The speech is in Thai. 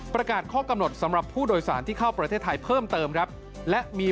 ประกาศข้อกำหนดสำหรับผู้โดยสารที่เข้าประเทศไทยเพิ่มเติมครับและมี